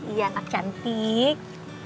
iya kak cantik